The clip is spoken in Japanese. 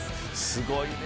すごいね。